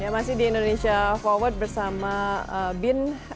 masih di indonesia forward bersama bin